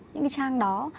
những cái trang đó